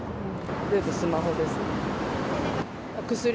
全部スマホです。